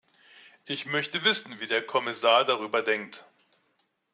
Ich möchte wissen, wie der Kommissar darüber denkt.